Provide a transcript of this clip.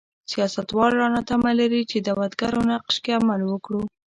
سیاستوال رانه تمه لري چې دعوتګرو نقش کې عمل وکړو.